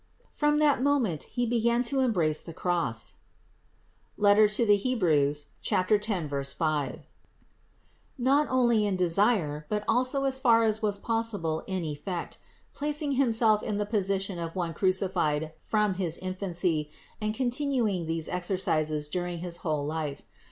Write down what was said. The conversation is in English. From that moment He began to embrace the Cross (Heb. 10, 5), not only in desire, but also as far as was pos sible in effect, placing Himself in the position of one crucified from his infancy and continuing these exercises during his whole life.